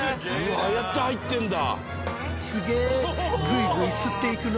ああやって入ってんだ。